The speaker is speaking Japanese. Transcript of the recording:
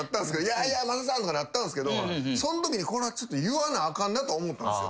「いやいや雅さん」とかなったんすけどそんときにこれはちょっと言わなあかんなと思ったんすよ。